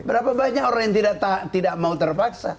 berapa banyak orang yang tidak mau terpaksa